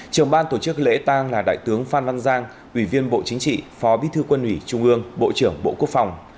trường ban tổ chức lễ tang là đại tướng phan văn giang ủy viên bộ chính trị phó bí thư quân ủy trung ương bộ trưởng bộ quốc phòng